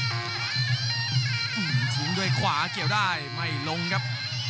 ทิ้งด้วยขวาเกี่ยวได้ไม่ลงครับ